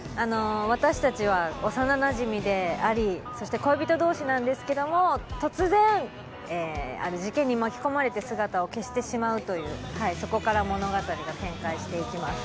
私たちは幼なじみでありそして恋人同士なんですけれども、突然、ある事件に巻き込まれて姿を消してしまうという、そこから物語が展開していきます。